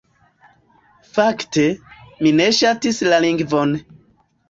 Fakte, mi ne ŝatis la lingvon.